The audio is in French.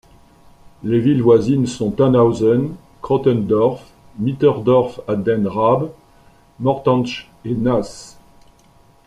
Les villes voisines sont Thannhausen, Krottendorf, Mitterdorf an der Raab, Mortantsch et Naas.